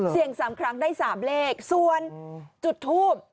เสี่ยงสามครั้งได้สามเลขส่วนจุดทูบ